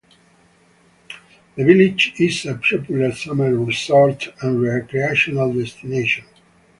The village is a popular summer resort and recreational destination.